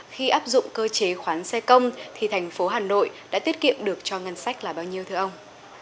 khi áp dụng cơ chế khoán xe công thì thành phố hà nội đã tiết kiệm được cho ngân sách là bao nhiêu thưa ông